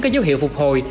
có dấu hiệu phục hồi